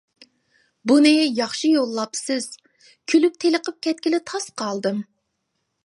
بۇنى ياخشى يوللاپسىز. كۈلۈپ تېلىقىپ كەتكىلى تاس قالدىم.